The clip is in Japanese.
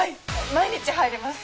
毎日入れます。